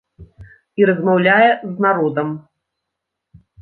І размаўляе з народам.